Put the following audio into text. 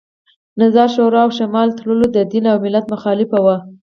نظار شورا او شمال ټلواله د دین او ملت مخالف وو